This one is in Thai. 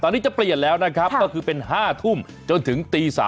ตอนนี้จะเปลี่ยนแล้วนะครับก็คือเป็น๕ทุ่มจนถึงตี๓